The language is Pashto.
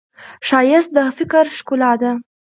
ښایست د فکر ښکلا ده